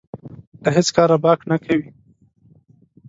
له هېڅ کاره باک نه کوي.